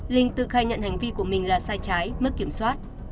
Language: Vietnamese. linh tự khai nhận hành vi của mình là sai trái mất kiểm soát